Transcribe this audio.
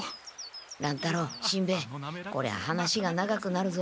乱太郎しんべヱこりゃ話が長くなるぞ？